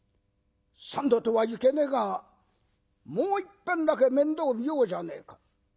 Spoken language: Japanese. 三度とはいけねえが『もういっぺんだけ面倒見ようじゃねえか』。